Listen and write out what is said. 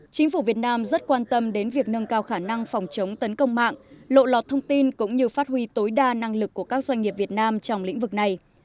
chính phủ việt nam rất quan tâm đến việc nâng cao khả năng phòng chống tấn công mạng lộ lọt thông tin cũng như phát huy tối đa năng lực của các doanh nghiệp việt nam trong lĩnh vực này